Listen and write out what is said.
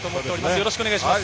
よろしくお願いします。